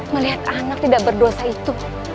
melihat anak tidak berdosa itu